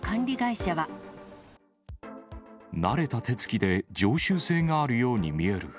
慣れた手つきで常習性があるように見える。